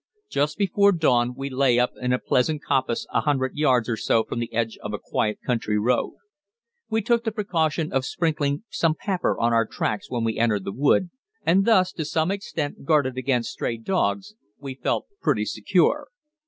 Just before dawn we lay up in a pleasant coppice a hundred yards or so from the edge of a quiet country road. We took the precaution of sprinkling some pepper on our tracks where we entered the wood, and thus, to some extent guarded against stray dogs, we felt pretty secure.